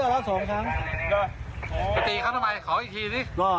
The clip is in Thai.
เอาของให้เขากินไม่กิน